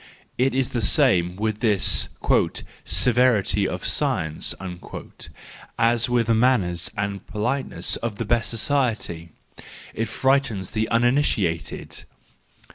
It is the same with this "severity of science" as with the manners and politeness of the best society: it frightens the uninitiated.